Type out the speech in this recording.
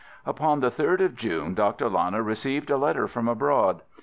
Upon the 3rd of June Dr. Lana received a letter from abroad.